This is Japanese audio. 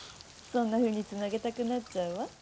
そんなふうにつなげたくなっちゃうわ。